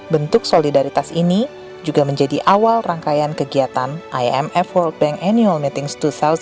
bentuk solidaritas ini juga menjadi awal rangkaian kegiatan imf world bank annual meetings dua ribu dua